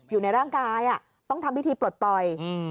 อยู่ในร่างกายต้องทำพิธีปลดปล่อย